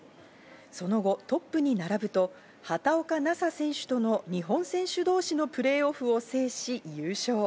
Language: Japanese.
その後トップに並ぶと、畑岡奈紗選手との日本選手同士のプレーオフを制し、優勝。